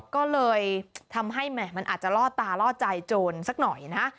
ก็เลยทำให้มันอาจจะล่อตาล่อใจโจรสักหน่อยนะ